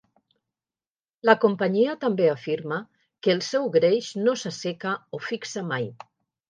La companyia també afirma que el seu greix no s'asseca o fixa mai.